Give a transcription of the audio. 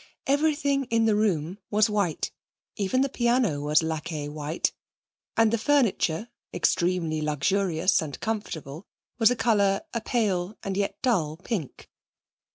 Everything in the room was white, even the piano was laqué white, and the furniture, extremely luxurious and comfortable, was in colour a pale and yet dull pink.